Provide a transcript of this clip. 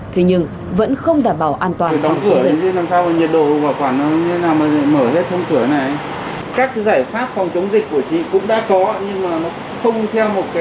thế nhưng vẫn không đảm bảo an toàn phòng chống dịch